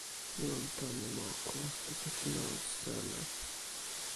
mi lon tomo moku, taso sina lon seme?